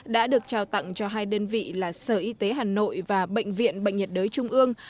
đã được trao tặng cho hai đơn vị là sở y tế hà nội và bệnh viện bệnh nhiệt đới trung ương